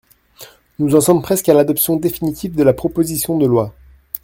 Nous en sommes presque à l’adoption définitive de la proposition de loi.